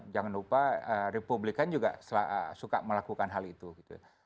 jangan lupa republikan juga suka melakukan hal itu gitu ya